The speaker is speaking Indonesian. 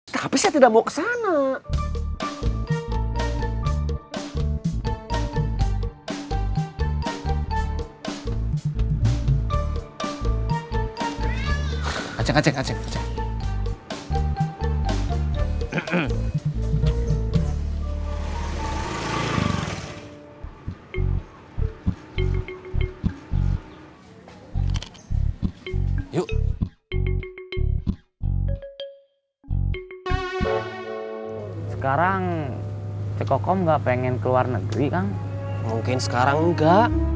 tapi saya tidak mau ke sana